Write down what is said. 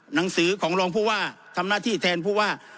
หนังสือของรองผู้ว่าทำหน้าที่แทนผู้ว่า